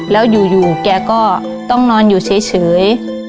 แล้วอยู่แกก็ต้องนอนอยู่เฉย